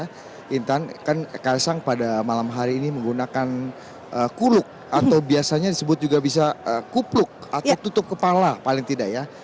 karena intan kan kaisang pada malam hari ini menggunakan kuluk atau biasanya disebut juga bisa kupluk atau tutup kepala paling tidak ya